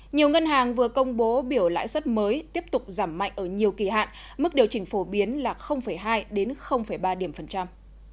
nhiều ngân hàng vừa công bố biểu lãi suất mới tiếp tục giảm mạnh ở nhiều kỳ hạn mức điều chỉnh phổ biến là hai đến ba điểm phần trăm